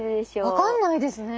分かんないですね。